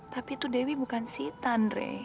tapi itu dewi bukan si tanre